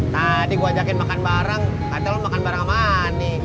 tadi gue ajakin makan bareng kata lo makan bareng sama ani